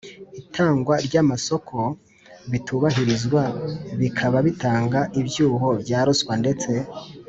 Itangwa ry amasoko bitubahirizwa bikaba bitanga ibyuho bya ruswa ndetse